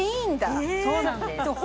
そうなんですえ